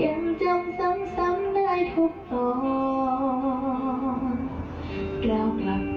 ยังจำซ้ำได้ทุกตอน